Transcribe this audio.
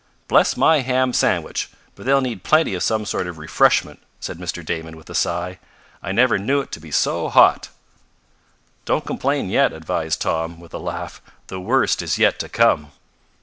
"Bless my ham sandwich, but they'll need plenty of some sort of refreshment," said Mr. Damon, with a sigh. "I never knew it to be so hot." "Don't complain yet," advised Tom, with a laugh. "The worst is yet to come."